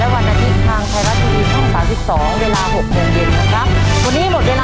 ลาไปก่อน